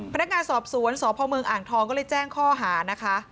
พนักงานสอบสวนสพเมืองอ่างทองก็เลยแจ้งข้อหานะคะ